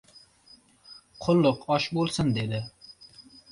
— Qulluq, osh bo‘lsin! — dedi.